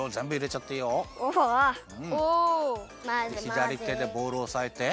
ひだりてでボウルをおさえてそうだ！